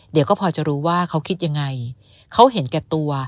เดี๋ยวก็พอจะรู้ว่าเขาคิดยังไงเขาเห็นแก่ตัว